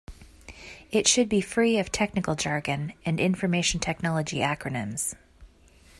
It should be free of technical jargon and information technology acronyms.